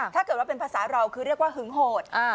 ถ้าเกิดว่าเป็นภาษาเราคือเรียกว่าหึงโหด